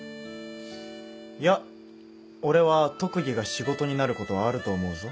いや俺は特技が仕事になることはあると思うぞ。